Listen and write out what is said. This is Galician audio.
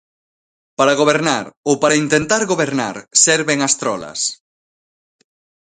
Para gobernar ou para intentar gobernar serven as trolas.